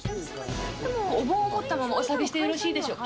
お盆を持ったままお下げしてよろしいでしょうか。